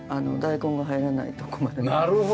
大根が入らないと困る。